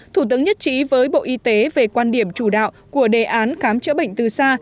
thủ tướng nhất trí với bộ y tế về quan điểm chủ đạo của đề án khám chữa bệnh từ xa